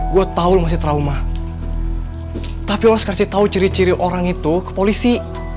gue tau masih trauma tapi lo harus kasih tau ciri ciri orang itu ke polisi